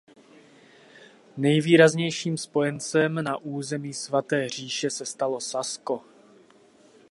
Nejvýraznějším spojencem na území Svaté říše se stalo Sasko.